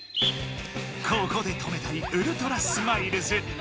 ここで止めたいウルトラスマイルズ。